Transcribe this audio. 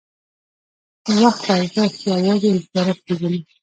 • د وخت ارزښت یوازې هوښیاران پېژني.